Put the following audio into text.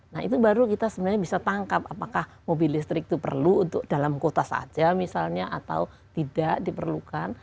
nah itu baru kita sebenarnya bisa tangkap apakah mobil listrik itu perlu untuk dalam kota saja misalnya atau tidak diperlukan